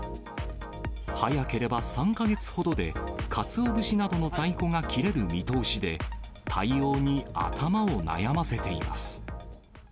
早ければ３か月ほどで、かつお節などの在庫が切れる見通しで、対応に頭を悩ませています。